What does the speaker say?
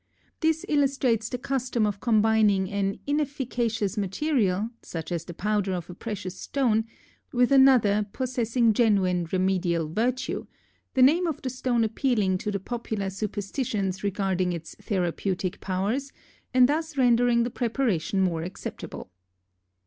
This illustrates the custom of combining an inefficacious material, such as the powder of a precious stone, with another possessing genuine remedial virtue, the name of the stone appealing to the popular superstitions regarding its therapeutic powers, and thus rendering the preparation more acceptable.